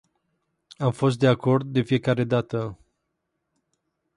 Am fost de acord de fiecare dată.